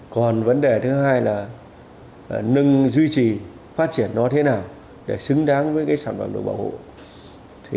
còn vấn đề thứ hai là nâng duy trì phát triển nó thế nào để xứng đáng với sản phẩm được bảo hộ